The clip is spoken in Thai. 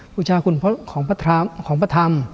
พูลชาขุนของพระธรรม